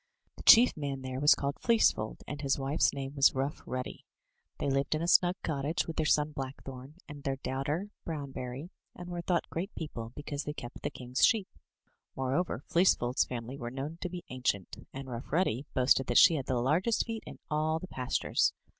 The chief man there was called Fleecefold, and his wife's name was Rough Ruddy. They lived in a snug cottage with their son, Blackthorn, and their daughter, Brownberry, and were thought great people, because they kept the king's sheep. More over, Fleecef old's family were known to be ancient; and Rough Ruddy boasted that she had the largest feet in all the pastures.